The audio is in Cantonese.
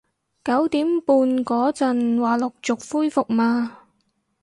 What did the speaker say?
九點半嗰陣話陸續恢復嘛